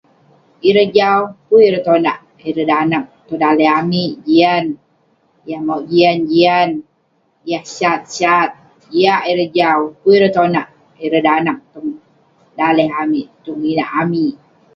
Ireh jau, pun ireh tonak ireh danaq tong daleh amik, jian. Yah mauk jian, jian. Yah sat, sat. Jiak ireh jau, pun ireh tonak ireh danaq tong daleh amik, tong inak amik.